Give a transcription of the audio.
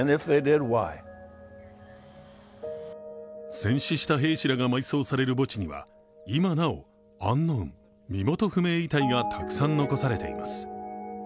戦死した兵士らが埋葬される墓地には、今なおＵＮＫＯＷＮ＝身元不明遺体がたくさん残されています。